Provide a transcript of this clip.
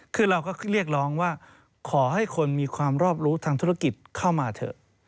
คือเราก็เรียกร้องว่าขอให้คนมีความรอบรู้ทางธุรกิจเข้ามาเถอะ